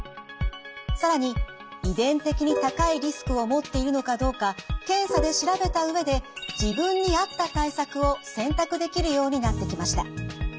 更に遺伝的に高いリスクを持っているのかどうか検査で調べた上で自分に合った対策を選択できるようになってきました。